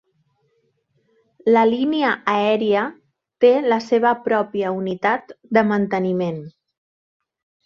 La línia aèria té la seva pròpia unitat de manteniment.